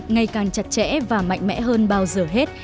ngày càng chặt chẽ và mạnh mẽ hơn bao giờ hết